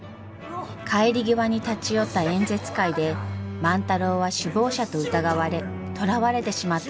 帰り際に立ち寄った演説会で万太郎は首謀者と疑われ捕らわれてしまったのです。